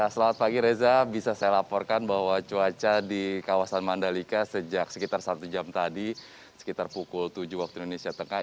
selamat pagi reza bisa saya laporkan bahwa cuaca di kawasan mandalika sejak sekitar satu jam tadi sekitar pukul tujuh waktu indonesia tengah